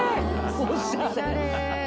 おしゃれ。